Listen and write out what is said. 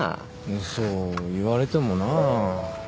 そう言われてもな。